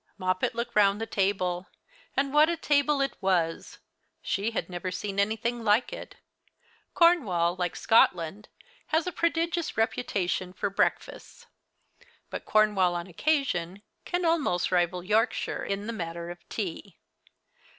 Moppet looked round the table; and what a table it was! She had never seen anything like it. Cornwall, like Scotland, has a prodigious reputation for breakfasts; but Cornwall, on occasion, can almost rival Yorkshire in the matter of tea.